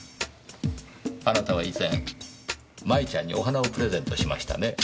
あなたは以前麻衣ちゃんにお花をプレゼントしましたね？